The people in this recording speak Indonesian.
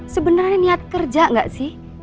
sebenarnya niat kerja nggak sih